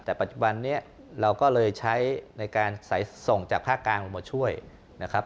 แต่ปัจจุบันนี้เราก็เลยใช้ในการส่งจากภาคกลางลงมาช่วยนะครับ